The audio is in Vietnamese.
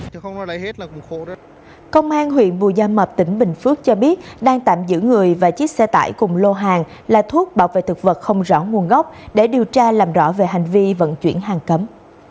công an huyện bù gia mập tỉnh bình phước cho biết đang tạm giữ người và chiếc xe tải cùng lô hàng là thuốc bảo vệ thực vật không rõ nguồn gốc để điều tra làm rõ về hành vi vận chuyển hàng cấm